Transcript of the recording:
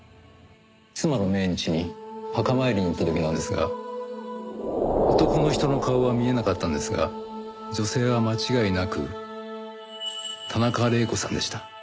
妻の命日に墓参りに行った時なんですが男の人の顔は見えなかったんですが女性は間違いなく田中玲子さんでした。